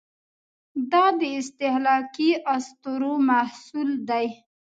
دا د استهلاکي اسطورو محصول دی.